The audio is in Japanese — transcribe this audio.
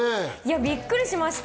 びっくりしました。